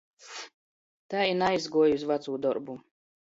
Tai i naaizguoju iz vacū dorbu.